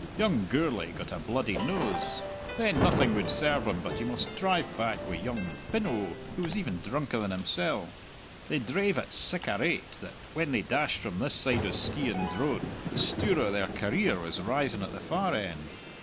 Young Gourlay got a bloodied nose! Then nothing would serve him but he must drive back wi' young Pin oe, who was even drunker than himsell. They drave at sic a rate that when they dashed from this side o' Skeighan Drone the stour o' their career was rising at the far end.